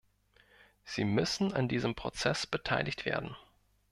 Sie müssen an diesem Prozess beteiligt werden.